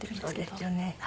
そうですよね。